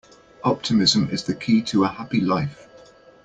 Optimism is the key to a happy life.